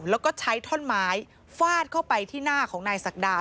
แล้วก็ใช้ท่อนไม้ฟาดเข้าไปที่หน้าของนายศักดา